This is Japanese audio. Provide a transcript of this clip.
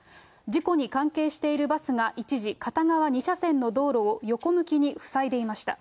事故に関係しているバスが一時、片側２車線の道路を横向きに塞いでいました。